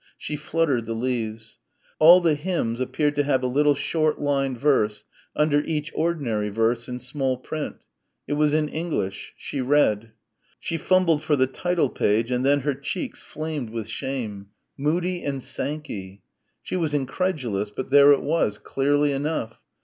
She fluttered the leaves. All the hymns appeared to have a little short lined verse, under each ordinary verse, in small print. It was in English she read. She fumbled for the title page and then her cheeks flamed with shame, "Moody and Sankey." She was incredulous, but there it was, clearly enough.